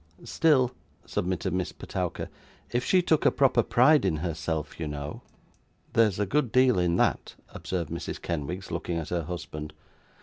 'Still,' submitted Miss Petowker, 'if she took a proper pride in herself, you know ' 'There's a good deal in that,' observed Mrs. Kenwigs, looking at her husband.